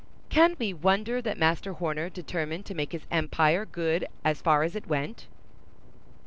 Can we wonder that Master Horner determined to make his empire good as far as it went?